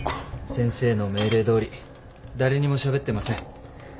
先生の命令どおり誰にもしゃべってません。